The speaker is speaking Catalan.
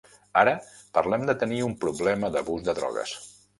Ara parlem de tenir un problema d'abús de drogues.